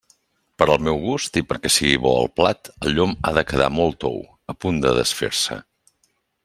Per al meu gust i perquè sigui bo el plat, el llom ha de quedar molt tou, a punt de desfer-se.